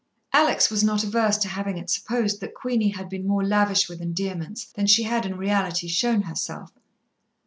Alex was not averse to having it supposed that Queenie had been more lavish with endearments than she had in reality shown herself.